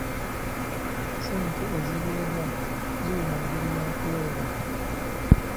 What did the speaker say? Ssente eziweebwa ziri mu ngeri ya kwewola.